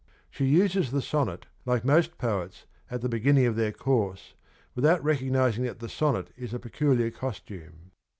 She uses the sonnet, like most poets at the begin ning of their course, without recognizing that the sonnet is a peculiar costume.